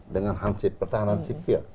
dengan hansip pertahanan sipil